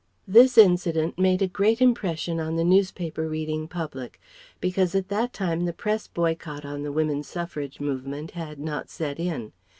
This incident made a great impression on the newspaper reading public, because at that time the Press boycott on the Woman Suffrage movement had not set in.